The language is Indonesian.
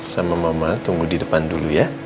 sama mama tunggu di depan dulu ya